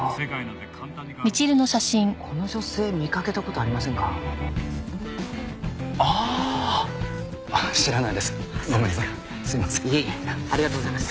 ありがとうございます。